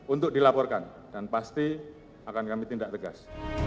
untuk dilaporkan dan pasti akan kami tindak tegas